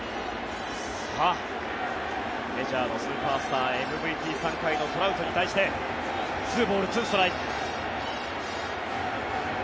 メジャーのスーパースターＭＶＰ３回のトラウトに対して２ボール２ストライク。